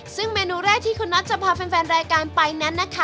ซึ่งเมนูแรกที่คุณน็อตจะพาแฟนรายการไปนั้นนะคะ